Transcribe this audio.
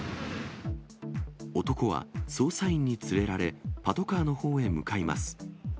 男は、捜査員に連れられ、パトカーのほうへ向かいます。